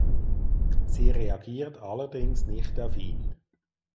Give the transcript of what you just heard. Sie reagiert allerdings nicht auf ihn.